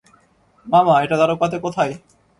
মামা, এটা দ্বারকাতে কোথায়?